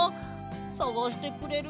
さがしてくれる？